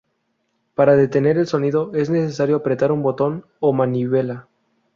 Para detener el sonido, es necesario apretar un botón o manivela.